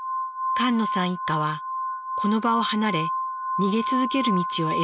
菅野さん一家はこの場を離れ逃げ続ける道を選びました。